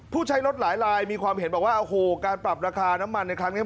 ใช้รถหลายลายมีความเห็นบอกว่าโอ้โหการปรับราคาน้ำมันในครั้งนี้